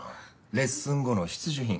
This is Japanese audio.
レッスン後の必需品。